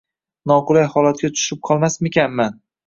Noqulay xolatga tushib qolmasmikanman.